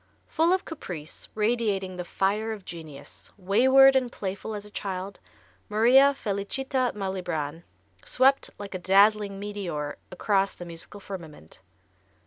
Full of caprice, radiating the fire of genius, wayward and playful as a child, Maria Felicità Malibran swept like a dazzling meteor across the musical firmament.